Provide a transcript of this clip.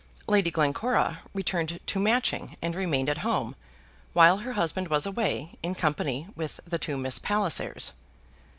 Lady Glencora returned to Matching and remained at home, while her husband was away, in company with the two Miss Pallisers.